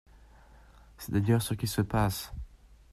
C’est d’ailleurs ce qui se passe.